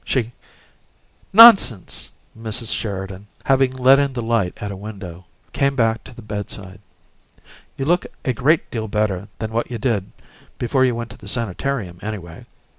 She " "Nonsense!" Mrs. Sheridan, having let in the light at a window, came back to the bedside. "You look a great deal better than what you did before you went to the sanitarium, anyway.